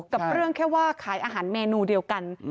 กับเรื่องแค่ว่าขายอาหารเมนูเดียวกัน